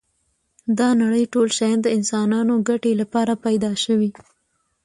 دا نړی ټول شیان د انسانانو ګټی لپاره پيدا شوی